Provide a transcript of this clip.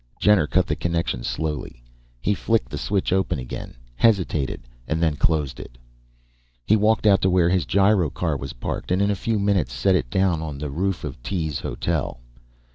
Jenner cut the connection slowly. He flicked the switch open again, hesitated, and then closed it. He walked out to where his gyrocar was parked, and in a few minutes set it down on the roof of Tee's hotel.